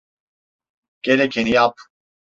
Gerekeni yap.